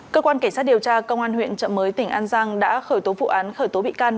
cơ quan cảnh sát điều tra công an huyện trợ mới tỉnh an giang đã khởi tố vụ án khởi tố bị can